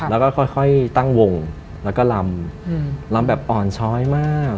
แล้วก็ค่อยตั้งวงแล้วก็ลำลำแบบอ่อนช้อยมาก